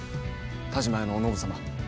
田嶋屋のお信様。